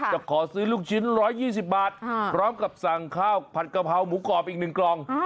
จะขอซื้อลูกชิ้น๑๒๐บาทพร้อมกับสั่งข้าวผัดกะเพราหมูกรอบอีก๑กล่อง